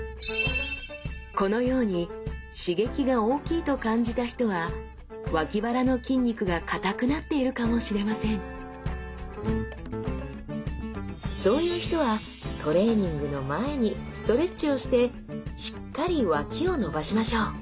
このように刺激が大きいと感じた人はわき腹の筋肉が硬くなっているかもしれませんそういう人はトレーニングの前にストレッチをしてしっかりわきを伸ばしましょう